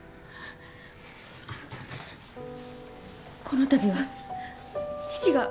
このたびは父が。